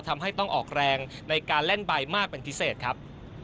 ทำให้ต้องออกแรงในการเล่นใบมากเป็นพิเศษครับ